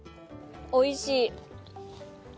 おいしい。